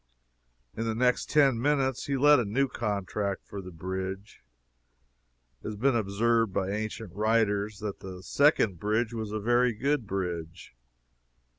In the next ten minutes he let a new contract for the bridge. It has been observed by ancient writers that the second bridge was a very good bridge.